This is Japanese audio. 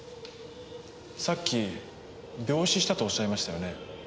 さっき病死したとおっしゃいましたよね。